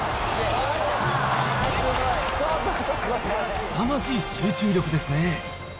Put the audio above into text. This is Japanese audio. すさまじい集中力ですね。